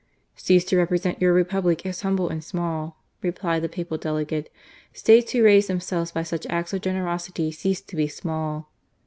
" Cease to represent your Republic as humble and small," replied the Papa! Delegate. " States who raise themselves by such acts of generosity cease to be small